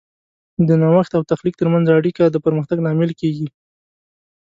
د نوښت او تخلیق ترمنځ اړیکه د پرمختګ لامل کیږي.